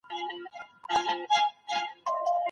ویب ډیولپر باید د کاروونکي اړتیاوې په دقیق ډول درک کړي.